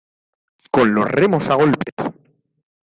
con los remos a golpes.